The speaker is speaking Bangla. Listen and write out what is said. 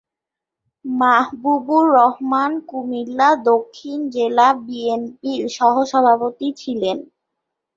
মাহবুবুর রহমান কুমিল্লা দক্ষিণ জেলা বিএনপির সহসভাপতি ছিলেন।